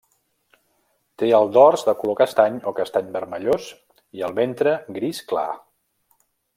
Té el dors de color castany o castany vermellós i el ventre gris clar.